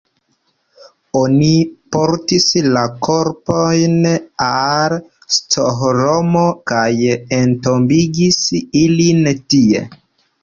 Oni portis la korpojn al Stokholmo kaj entombigis ilin tie.